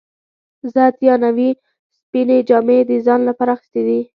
زه اتیا نوي سپینې جامې د ځان لپاره اخیستې دي.